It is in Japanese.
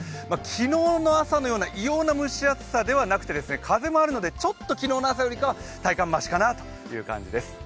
昨日の朝のような異様な暑さではなくて風もあるのでちょっと昨日の朝よりかは体感増しかなという感じです。